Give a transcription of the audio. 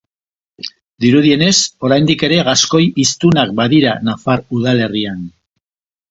Dirudienez, oraindik ere gaskoi hiztunak badira nafar udalerrian.